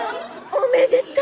おめでとう。